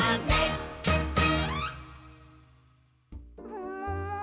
ももも？